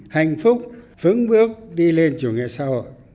hạnh phúc vững bước đi lên chủ nghĩa xã hội